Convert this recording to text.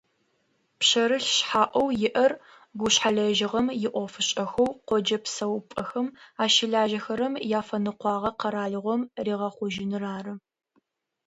Пшъэрылъ шъхьаӏэу иӏэр гушъхьэлэжьыгъэм иӏофышӏэхэу къоджэ псэупӏэхэм ащылажьэхэрэм яфэныкъуагъэ къэралыгъом ригъэкъужьыныр ары.